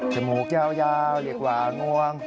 จมูกยาวหลีกว่างวง